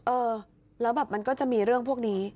เออแล้วแบบมันก็จะมีเรื่องพวกนี้